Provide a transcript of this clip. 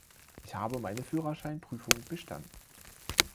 Ich habe meine Führerscheinprüfung bestanden!